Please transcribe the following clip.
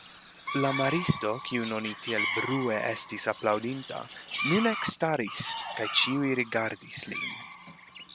La maristo, kiun oni tiel brue estis aplaŭdinta, nun ekstaris kaj ĉiuj rigardis lin.